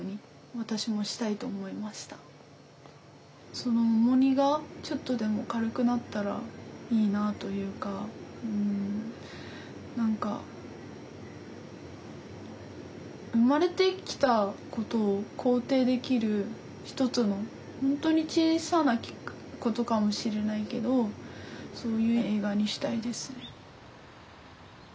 その重荷がちょっとでも軽くなったらいいなというか何か生まれてきたことを肯定できる一つの本当に小さなことかもしれないけどそういう映画にしたいですね。